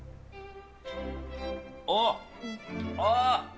あっ、ああ。